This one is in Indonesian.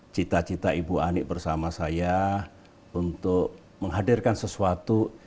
cita cita ibu anik bersama saya untuk menghadirkan sesuatu